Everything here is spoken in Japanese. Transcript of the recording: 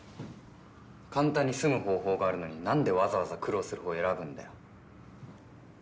簡単に済む方法があるのになんでわざわざ苦労するほうを選ぶんだよ。